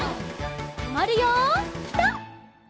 とまるよピタ！